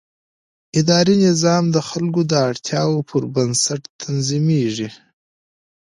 اداري نظام د خلکو د اړتیاوو پر بنسټ تنظیمېږي.